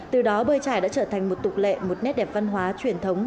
từ đó bơi trải đã trở thành một tục lệ một nét đẹp văn hóa truyền thống